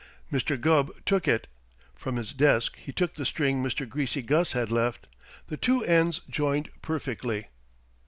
Mr. Gubb took it. From his desk he took the string Mr. Greasy Gus had left. The two ends joined perfectly.